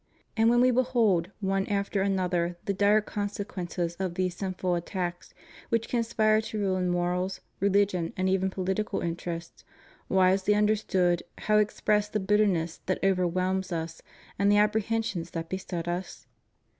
And when We behold, one after another, the dire consequences of these sinful attacks which con spire to ruin morals, religion, and even political interests, wisely understood, how express the bitterness that over whelms Us and the apprehensions that beset Us?